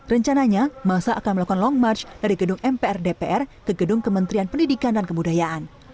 rencananya masa akan melakukan long march dari gedung mpr dpr ke gedung kementerian pendidikan dan kebudayaan